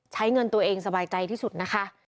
ใช้เงินตัวเองสบายใจที่สุดนะคะ